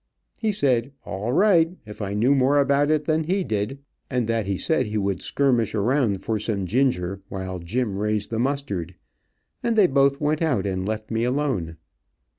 He said all right, if I knew more about it than he did, and that he said he would skirmish around for some ginger, while Jim raised the mustard, and they both went out and left me alone.